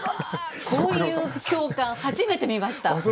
こういう教官初めて見ました。